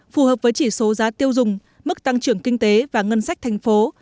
phù hợp với chỉ số giá tiêu dùng mức tăng trưởng kinh tế và ngân sách thành phố